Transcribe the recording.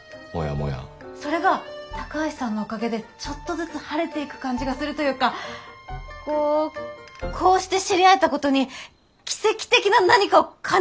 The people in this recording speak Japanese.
それが高橋さんのおかげでちょっとずつ晴れていく感じがするというかこうこうして知り合えたことに奇跡的な何かを感じてるといいますか。